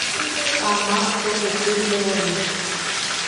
ama totyky mbeguemi